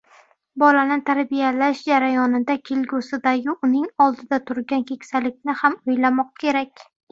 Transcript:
Bolani tarbiyalash jarayonida kelgusidagi uning oldida turgan keksalikni ham o‘ylamoq kerak.